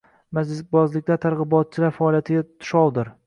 Majlisbozliklar targ‘ibotchilar faoliyatiga tushovdir.